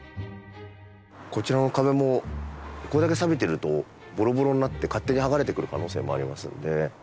こちらの壁もこれだけさびてるとボロボロになって勝手に剥がれてくる可能性もありますので。